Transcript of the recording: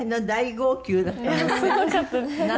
すごかったです。